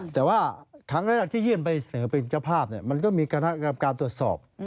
แต่ว่าทางเลือกที่ยิ่งไปเสนอเป็นเจ้าภาพมันก็มีการการตรวจสอบ